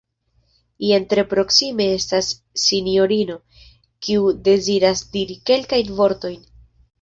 Jen tre proksime estas sinjorino, kiu deziras diri kelkajn vortojn.